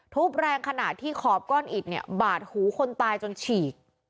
แรงขณะที่ขอบก้อนอิดเนี่ยบาดหูคนตายจนฉีก